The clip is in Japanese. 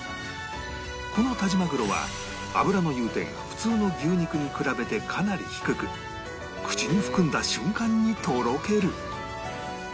この但馬玄は脂の融点が普通の牛肉に比べてかなり低く口に含んだ瞬間にとろける